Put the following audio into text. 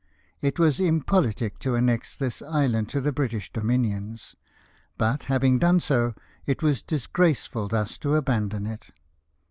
It was impolitic to annex this island to the British do minions ; but, having done so, it was disgraceful thus to abandon it.